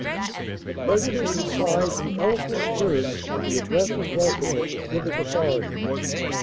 The President replies in eloquent terms to the address of welcome of the civic authorities.